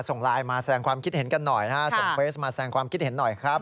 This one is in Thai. ส่งไลน์มาแสดงความคิดเห็นกันหน่อยนะฮะส่งเฟสมาแสงความคิดเห็นหน่อยครับ